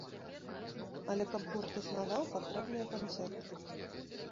Але каб гурт існаваў, патрэбныя канцэрты.